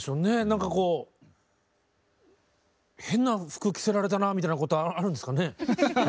なんかこう変な服着せられたなみたいなことあるんですかね。